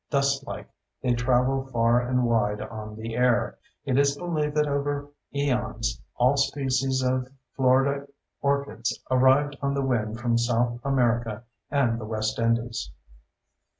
Dustlike, they travel far and wide on the air; it is believed that over eons all species of Florida orchids arrived on the wind from South America and the West Indies.